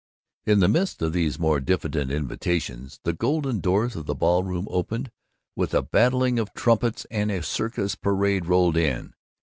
In the midst of these more diffident invitations, the golden doors of the ballroom opened with a blatting of trumpets, and a circus parade rolled in.